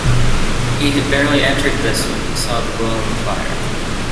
He had barely entered this when he saw the glow of a fire.